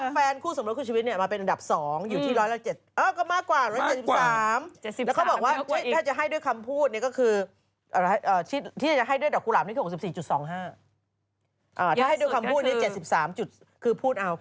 วันนี้ตอบเอาตอบตามที่บอกว่าต้องตอบหรือเปล่า